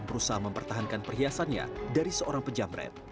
berusaha mempertahankan perhiasannya dari seorang penjamret